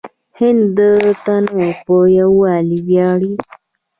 هند د تنوع په یووالي ویاړي.